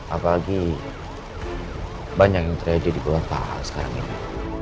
apalagi banyak yang terjadi di pulau pak al sekarang ini